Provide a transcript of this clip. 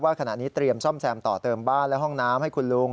ขณะนี้เตรียมซ่อมแซมต่อเติมบ้านและห้องน้ำให้คุณลุง